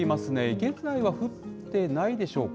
現在は降ってないでしょうか。